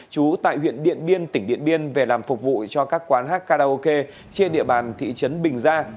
chú tại huyện điện biên tỉnh điện biên về làm phục vụ cho các quán hát karaoke trên địa bàn thị trấn bình gia